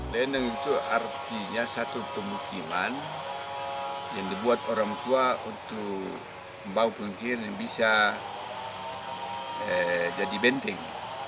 lendang itu artinya satu pemukiman yang dibuat orang tua untuk membawa pengkir yang bisa jadi benteng